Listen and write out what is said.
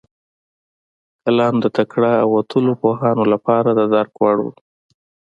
کلام د تکړه او وتلیو پوهانو لپاره د درک وړ و.